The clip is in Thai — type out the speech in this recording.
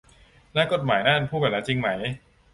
และกฎหมายนั้นพูดแบบนั้นจริงไหม